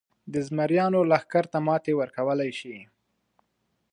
د زمریانو لښکر ته ماتې ورکولای شي.